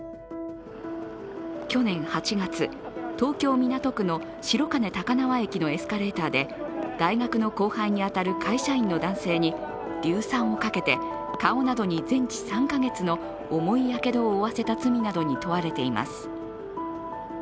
去年８月、東京・港区の白金高輪駅のエスカレーターで大学の後輩に当たる会社員の男性に硫酸をかけて顔などに全治３か月の重いやけどを負わせた罪などに問われています。